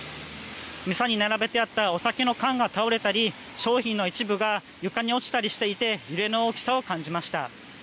店に並べてあったお酒の缶が倒れたり、商品の一部が床に落ちたりしていて、揺れの大きさを感じました。